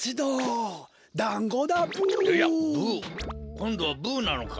こんどはブなのか？